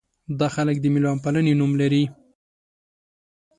دا خلک د مېلمه پالنې نوم لري.